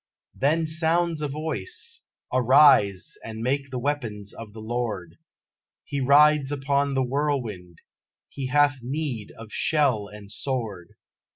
Then sounds a Voice, "Arise, and make the weapons of the Lord!" "He rides upon the whirlwind! He hath need of shell and sword!